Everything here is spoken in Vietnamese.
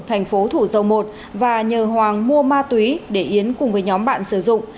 thành phố thủ dầu một và nhờ hoàng mua ma túy để yến cùng với nhóm bạn sử dụng